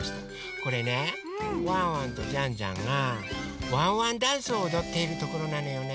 これねワンワンとジャンジャンがワンワンダンスをおどっているところなのよね。